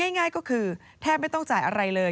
ง่ายก็คือแทบไม่ต้องจ่ายอะไรเลย